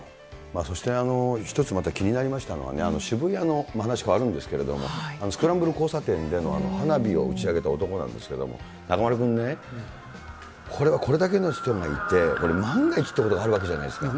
そして、一つまた気になりましたのはね、渋谷の、話変わるんですけれども、スクランブル交差点での花火を打ち上げた男なんですけれども、中丸君ね、これはこれだけの人がいて、万が一ってことがあるわけじゃないですか。